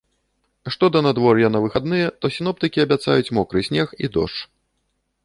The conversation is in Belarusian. Што да надвор'я на выхадныя, то сіноптыкі абяцаюць мокры снег і дождж.